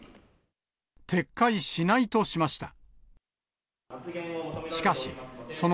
撤回しないとしました。